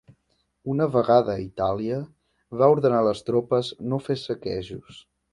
Una vegada a Itàlia va ordenar a les tropes no fer saquejos.